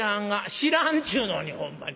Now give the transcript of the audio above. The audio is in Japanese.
「知らんっちゅうのにほんまに！